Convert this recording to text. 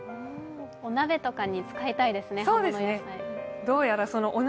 お鍋とかに使いたいですね、葉物野菜。